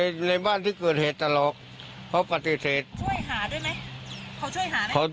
อยู่ในบ้านที่เกิดเหตุตลกเขาปฏิเสธ